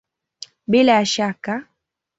Bila ya shaka!